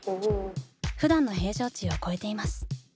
ふだんの平常値を超えています。